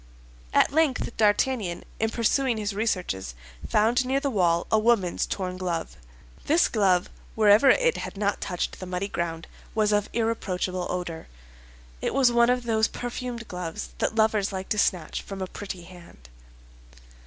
At length D'Artagnan, in pursuing his researches, found near the wall a woman's torn glove. This glove, wherever it had not touched the muddy ground, was of irreproachable odor. It was one of those perfumed gloves that lovers like to snatch from a pretty hand.